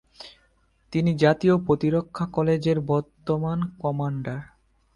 তিনি জাতীয় প্রতিরক্ষা কলেজের বর্তমান কমান্ডার।